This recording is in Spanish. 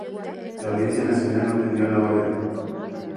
La Audiencia Nacional no atendió la orden.